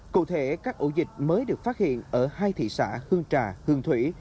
cụ thể các ổ dịch mới được phát hiện ở hai thị xã hương trà hương thủy